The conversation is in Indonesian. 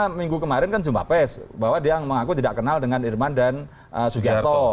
karena minggu kemarin kan jum'ah pes bahwa dia mengaku tidak kenal dengan irman dan sugiyarto